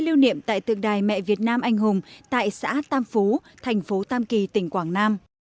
lưu niệm tại tượng đài mẹ việt nam anh hùng tại xã tam phú thành phố tam kỳ tỉnh quảng nam